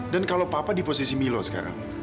dan kalau papa di posisi milo sekarang